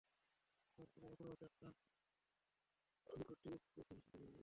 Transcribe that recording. তার আগে অস্ত্রোপচার করে অজগরটির পেট থেকে পশুটি বের করা প্রয়োজন।